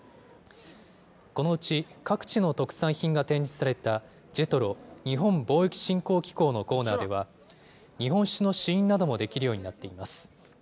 このうち、各地の特産品が展示されたＪＥＴＲＯ・日本貿易振興機構のコーナーでは、日本酒の試飲などもできるようになっています。